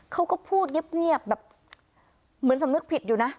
เขาก็พูดเงียบแบบเหมือนสำนึกผิดอยู่นะ